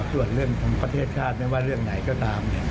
ส่วนเรื่องของประเทศชาติไม่ว่าเรื่องไหนก็ตาม